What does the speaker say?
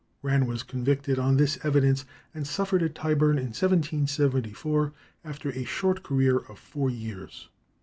Rann was convicted on this evidence and suffered at Tyburn, in 1774, after a short career of four years.